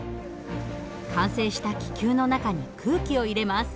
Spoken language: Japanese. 完成した気球の中に空気を入れます。